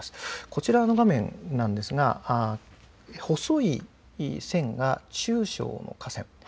こちらの画面ですが細い線が中小の河川。